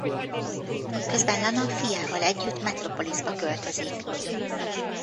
Közben Lana fiával együtt Metropolisba költözik.